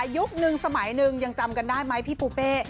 ยุคนึงสมัยหนึ่งยังจำกันได้ไหมพี่ปูเป้